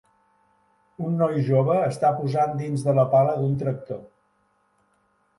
Un noi jove està posant dins de la pala d"un tractor.